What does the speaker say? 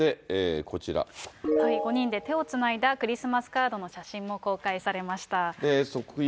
５人で手をつないだクリスマスカードの写真も公開されました。